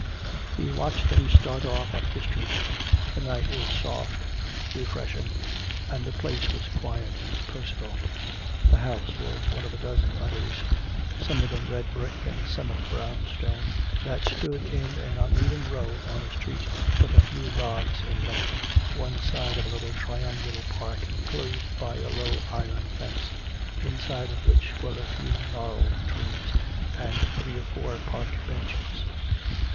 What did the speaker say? He watched them start off up the street. The night was soft, refreshing, and the place was quiet and personal. The house was one of a dozen others, some of red brick and some of brown stone, that stood in an uneven row on a street but a few rods in length, one side of a little triangular park enclosed by a low iron fence, inside of which were a few gnarled trees and three or four park benches.